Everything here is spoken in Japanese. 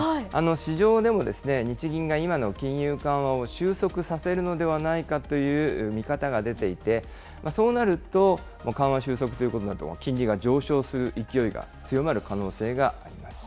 市場でも日銀が今の金融緩和を収束させるのではないかという見方が出ていて、そうなると、緩和収束ということになると、金利が上昇する勢いが強まる可能性があります。